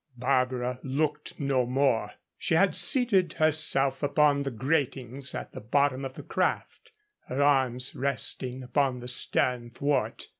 Barbara looked no more. She had seated herself upon the gratings at the bottom of the craft, her arms resting upon the stern thwart.